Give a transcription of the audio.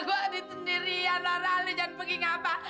gue di sendirian laura lo jangan pergi ngapa